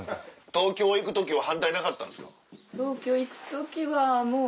東京行く時は反対なかったんですか？